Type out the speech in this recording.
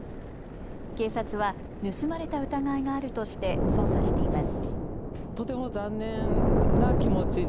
警察は盗まれた疑いがあるとして捜査しています。